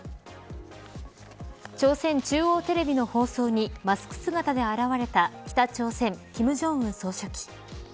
朝鮮中央テレビの放送にマスク姿で現れた北朝鮮、金正恩総書記。